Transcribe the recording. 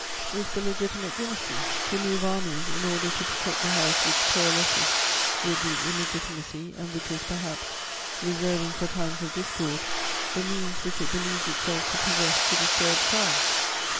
Is the Legitimate Dynasty to move armies in order to protect the House which coalesces with the illegitimacy and which is, perhaps, reserving for times of discord the means which it believes itself to possess to disturb France?